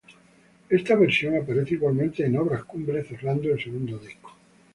Esta versión aparece igualmente en "Obras Cumbres", cerrando el segundo disco.